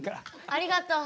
ありがとう。